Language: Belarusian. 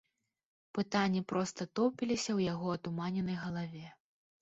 Пытанні проста тоўпіліся ў яго атуманенай галаве.